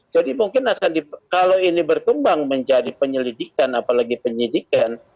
jadi mungkin akan di kalau ini bertumbang menjadi penyelidikan apalagi penyidikan